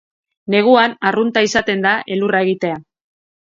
Neguan arrunta izaten da elurra egitea.